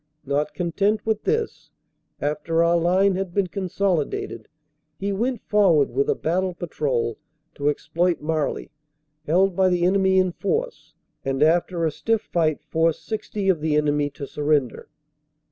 Not content with this, after our line had been consolidated, he went forward with a battle patrol to exploit Marly, held by the enemy in force, and after a stiff fight forced 60 of the enemy to surrender.